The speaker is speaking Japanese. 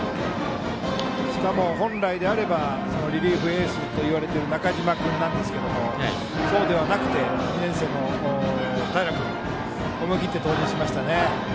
しかも本来であればリリーフエースといわれている中嶋君なんですけどそうではなくて２年生の、平君を思い切って投入しましたね。